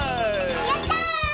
やった！